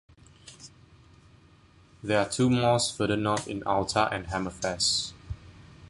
There are two mosques further north in Alta and Hammerfest.